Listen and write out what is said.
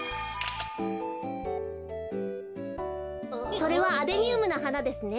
それはアデニウムのはなですね。